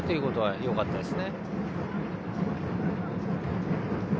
惜しかったですね。